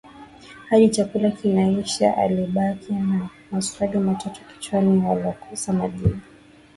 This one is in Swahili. Hadi chakula kinaisha alibaki na maswali matatu kichwani yalokosa majibu